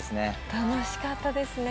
楽しかったですね。